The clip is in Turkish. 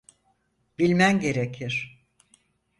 Bilmen gerekir.